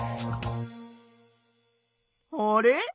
あれ？